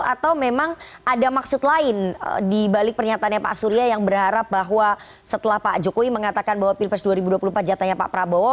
atau memang ada maksud lain dibalik pernyataannya pak surya yang berharap bahwa setelah pak jokowi mengatakan bahwa pilpres dua ribu dua puluh empat jatahnya pak prabowo